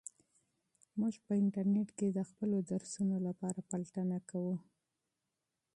موږ په انټرنیټ کې د خپلو درسونو لپاره پلټنه کوو.